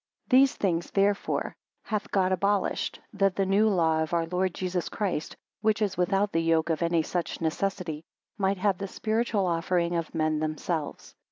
8 These things therefore hath God abolished, that the new law of our Lord Jesus Christ, which is without the yoke of any such necessity, might have the spiritual offering of, men themselves.